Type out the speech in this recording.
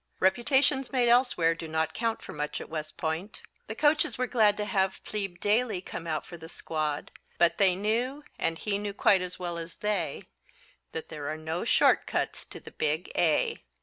Reputations made elsewhere do not count for much at West Point. The coaches were glad to have Plebe Daly come out for the squad, but they knew and he knew quite as well as they, that there are no short cuts to the big "A."